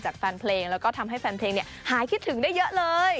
จากแฟนเพลงทำให้ฟันเพลงหายคิดถึงได้เยอะเลย